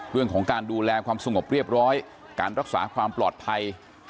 เรื่องของการดูแลความสงบเรียบร้อยการรักษาความปลอดภัย